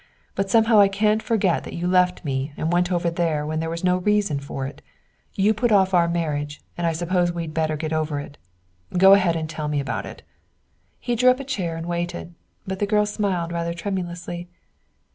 But somehow I can't forget that you left me and went over there when there was no reason for it. You put off our marriage, and I suppose we'd better get it over. Go ahead and tell me about it." He drew up a chair and waited, but the girl smiled rather tremulously.